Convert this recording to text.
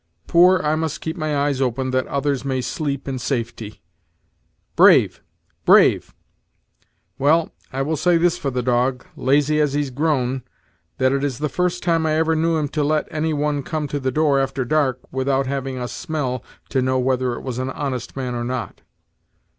Poor I must keep my eyes open, that others may sleep in safety. Brave! Brave! Well, I will say this for the dog, lazy as he's grown, that it is the first time I ever knew him to let any one come to the door after dark, without having a smell to know whether it was an honest man or not.